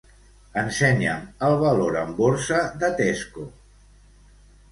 Ensenya'm el valor en borsa de Tesco.